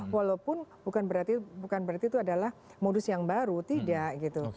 walaupun bukan berarti itu adalah modus yang baru tidak gitu